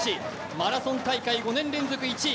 マラソン大会５年連続１位。